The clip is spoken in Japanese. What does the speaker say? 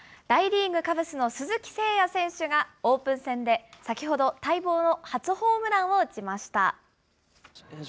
大リーグ・カブスの鈴木誠也選手が、オープン戦で、先ほど待望の初ホームランを打ちました。